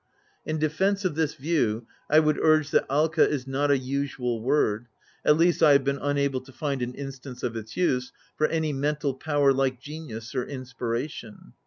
In defence of this view, I would urge that aXica is not a usual word — at least, I have been unable to find an instance of its use — ^for any mental power like genius or inspiration.